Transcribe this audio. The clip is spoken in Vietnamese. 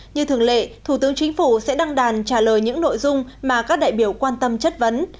như thường lệ thủ tướng chính phủ sẽ đăng đàn trả lời những nội dung mà các đại biểu quan tâm chất vấn